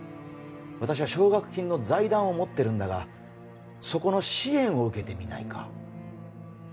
私は奨学金の財団を持ってるんだがそこの支援を受けてみないか？